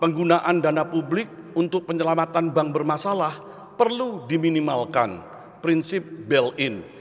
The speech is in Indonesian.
penggunaan dana publik untuk penyelamatan bank bermasalah perlu diminimalkan prinsip ball in